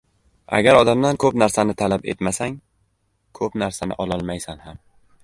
Agar odamdan ko‘p narsani talab etmasang, ko‘p narsani ololmaysan ham.